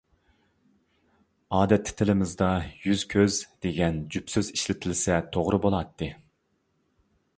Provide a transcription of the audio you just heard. ئادەتتە تىلىمىزدا «يۈز-كۆز» دېگەن جۈپ سۆز ئىشلىتىلسە توغرا بولاتتى.